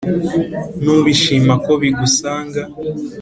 nubishima ko bigusanga